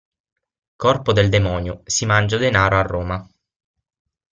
Corpo del demonio, si mangia denaro a Roma!